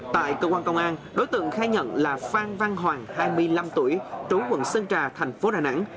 tại cơ quan công an đối tượng khai nhận là phan văn hoàng hai mươi năm tuổi trú quận sơn trà thành phố đà nẵng